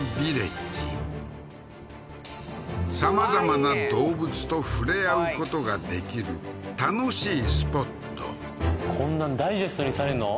さまざまな動物と触れ合うことができる楽しいスポットこんなんダイジェストにされんの？